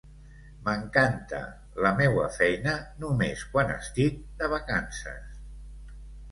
M'encanta la meua feina només quan estic de vacances.